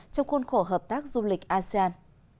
trong khuôn khổ hợp tác du lịch asean